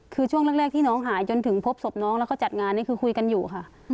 คือช่วงแรกที่น้องหายจนถึงพบศพน้องแล้วก็จัดงานนี่คือคุยกันอยู่ค่ะ